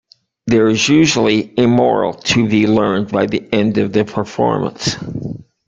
There is usually a moral to be learned by the end of the performance.